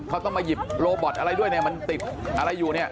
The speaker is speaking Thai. เขาต้องมาหยิบโลบอตอะไรด้วยเนี่ยมันติดอะไรอยู่เนี่ย